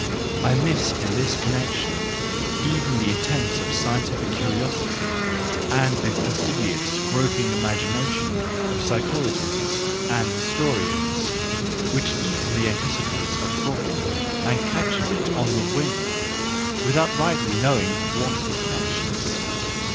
I miss in this con¬ nection even the attempts of scientific curiosity, and the fastidious, groping imagination of psycho¬ logists and historians, which easily anticipates a problem and catches it on the wing, without rightly knowing what it catches.